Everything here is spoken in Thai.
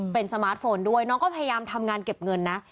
เป็นสมาร์ทโฟนด้วยน้องก็พยายามทำงานเก็บเงินนะ